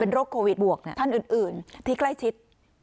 โรคโควิดบวกท่านอื่นที่ใกล้ชิด